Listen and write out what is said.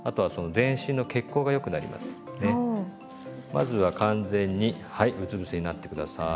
まずは完全にはいうつぶせになって下さい。